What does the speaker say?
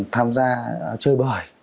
tham gia chơi bởi